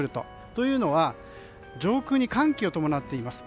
というのは上空に寒気を伴っています。